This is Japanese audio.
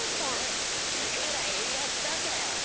だから円安なんだよ！